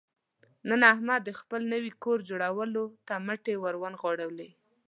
نن احمد د خپل نوي کور جوړولو ته مټې را ونغاړلې.